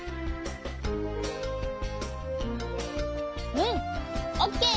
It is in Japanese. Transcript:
うんオッケー！